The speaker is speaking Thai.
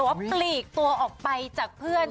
เหมือนแบบว่าปลีกตัวออกไปจากเพื่อน